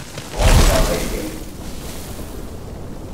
Tɣunfaḍ-iyi?